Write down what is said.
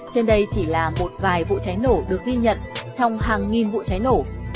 trên đây chỉ là một vài vụ cháy nổ được ghi nhận trong hàng nghìn vụ cháy nổ